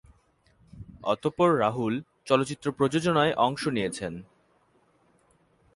অতঃপর রাহুল চলচ্চিত্র প্রযোজনায় অংশ নিয়েছেন।